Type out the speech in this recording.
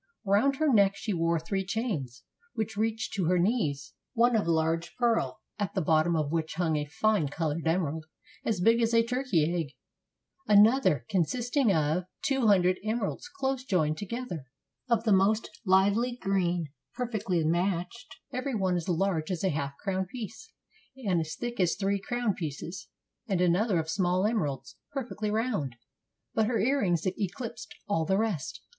Round her neck she wore three chains, which reached to her knees: one of large pearl, at the bottom of which hung a fine colored emer ald, as big as a turkey egg; another, consisting of two hundred emeralds, close joined together, of the most lively green, perfectly matched, every one as large as a half crown piece, and as thick as three crown pieces; and another of small emeralds, perfectly round. But her earrings eclipsed all the rest.